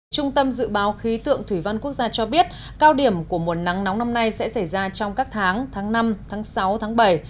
trung tâm dự báo khí tượng thủy văn quốc gia cho biết cao điểm của mùa nắng nóng năm nay sẽ xảy ra trong các tháng tháng năm tháng sáu tháng bảy